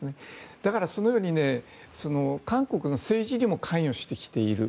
だから、そのように韓国の政治にも関与してきている。